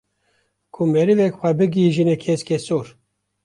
ku merivek xwe bigîjîne keskesor